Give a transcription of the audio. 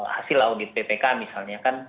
hasil audit bpk misalnya kan